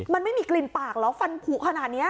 มันไม่มีกลิ่นปากเหรอฟันผูขนาดนี้